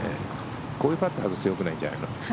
こういうパット外すのはよくないんじゃないの？